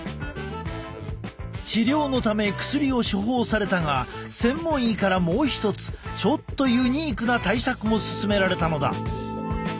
治療のため薬を処方されたが専門医からもう一つちょっとユニークな対策も勧められたのだ。